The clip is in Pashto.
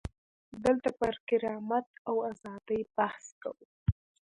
دلته پر کرامت او ازادۍ بحث کوو.